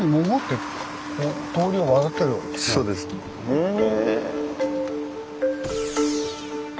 へえ。